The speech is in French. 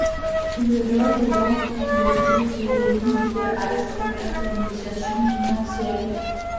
Le rôle des banques de prêts serait limité à la seule intermédiation financière.